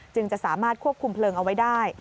จะสามารถควบคุมเพลิงเอาไว้ได้